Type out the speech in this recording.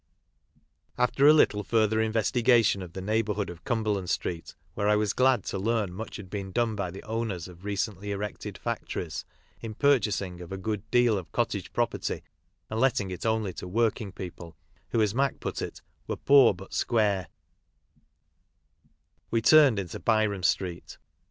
After a little further investigation of the neigh bourhood of Cumberland street, where I was glad to learn much had been done by the owners of recently erected factories in purchasing of a good deal of cottage property and letting it only to working people, who, as Mac put it, were "poor but square," we turned into Byrom street.